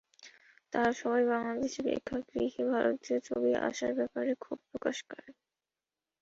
তাঁরা সবাই বাংলাদেশে প্রেক্ষাগৃহে ভারতীয় ছবি আসার ব্যাপারে ক্ষোভ প্রকাশ করেন।